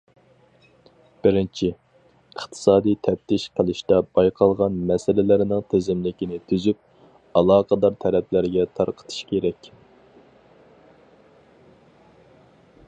بىرىنچى، ئىقتىسادىي تەپتىش قىلىشتا بايقالغان مەسىلىلەرنىڭ تىزىملىكىنى تۈزۈپ، ئالاقىدار تەرەپلەرگە تارقىتىش كېرەك.